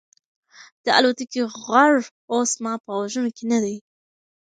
د الوتکې غږ اوس زما په غوږونو کې نه دی.